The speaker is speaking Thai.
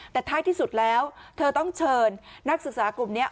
แต่ท้ายที่สุดแล้วเธอต้องเชิญนักศึกษากลุ่มนี้